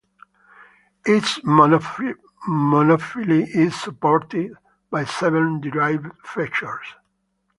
Its monophyly is supported by seven derived features.